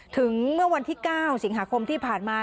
เมื่อวันที่๙สิงหาคมที่ผ่านมา